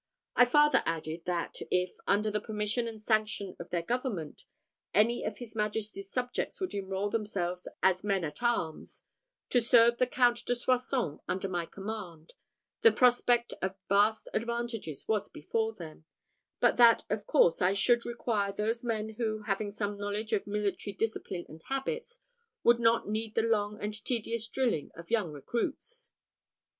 I farther added, that if, under the permission and sanction of their government, any of his Majesty's subjects would enrol themselves as men at arms, to serve the Count de Soissons under my command, the prospect of vast advantages was before them; but that, of course, I should require those men who, having some knowledge of military discipline and habits, would not need the long and tedious drilling of young recruits.